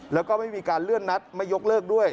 แล้วก็ไม่มีการเลื่อนนัดไม่ยกเลิกด้วย